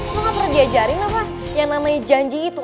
lo gak pernah diajarin apa yang namanya janji itu